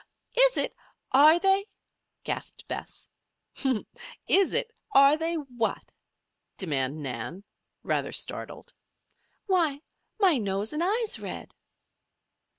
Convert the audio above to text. "Is it? Are they?" gasped Bess. "Is it are they what?" demanded Nan, rather startled. "Why, my nose and eyes red!"